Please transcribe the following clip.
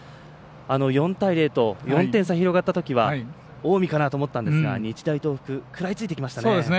４対０と４点差に広がったときは近江かなと思ったんですが日大東北食らいついていきましたね。